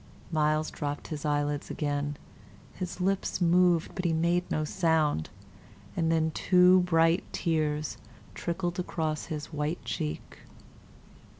Myles dropped his eyelids again; his lips moved, but he made no sound, and then two bright tears trickled across his white cheek.